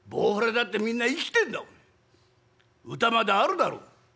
歌まであるだろう。